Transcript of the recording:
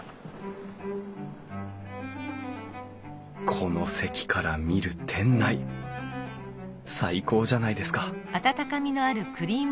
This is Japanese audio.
この席から見る店内最高じゃないですか！